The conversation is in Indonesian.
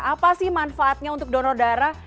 apa sih manfaatnya untuk donor darah